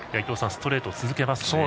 ストレートを続けますね。